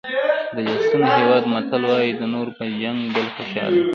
د لېسوتو هېواد متل وایي د نورو په جنګ بل خوشحاله وي.